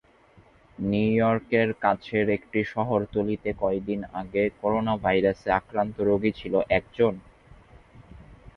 নিউইয়র্কের কাছের একটি শহরতলিতে কয়দিন আগে করোনাভাইরাসে আক্রান্ত রোগী ছিল একজন?